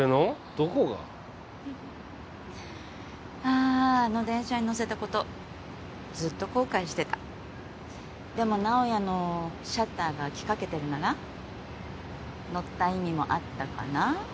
どこがあああの電車に乗せたことずっと後悔してたでも直哉のシャッターが開きかけてるなら乗った意味もあったかな？